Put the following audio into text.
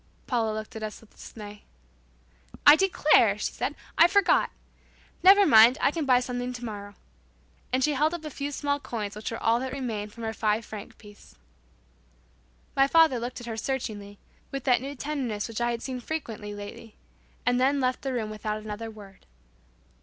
Paula looked at us all with dismay. "I declare," she said, "I forgot! Never mind, I can buy something tomorrow." And she held up a few small coins which was all that remained of her five franc piece. My father looked at her searchingly, with that new tenderness which I had seen frequently lately, and then left the room without another word.